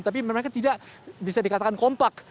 tapi mereka tidak bisa dikatakan kompak